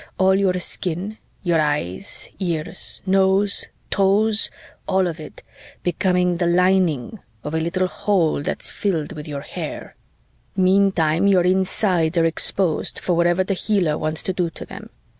All your skin your eyes, ears, nose, toes, all of it becoming the lining of a little hole that's half filled with your hair. "Meantime, your insides are exposed for whatever the healer wants to do to them.